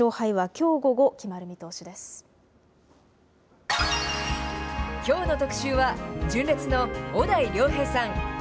きょうの特集は、純烈の小田井涼平さん。